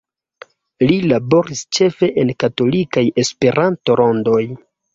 Li laboris ĉefe en katolikaj Esperanto-rondoj.